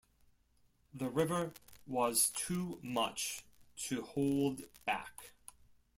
The river was too much to hold back.